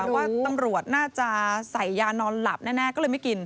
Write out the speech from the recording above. ว่าตำรวจน่าจะใส่ยานอนหลับแน่ก็เลยไม่กิน